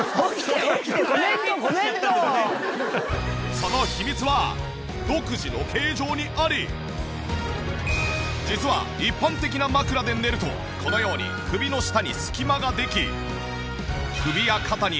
その秘密は実は一般的な枕で寝るとこのように首の下に隙間ができ。